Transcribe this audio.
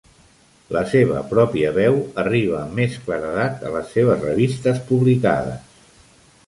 La seva pròpia veu arriba amb més claredat a les seves revistes publicades.